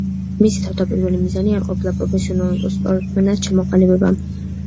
მისი თავდაპირველი მიზანი არ ყოფილა პროფესიონალ სპორტსმენად ჩამოყალიბება.